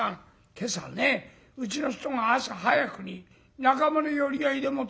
今朝ねうちの人が朝早くに仲間の寄り合いでもって横浜へ出かけたのよ」。